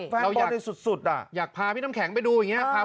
แฟนบอลในสุดสุดอ่ะอยากพาพี่น้ำแข็งไปดูอย่างเงี้ย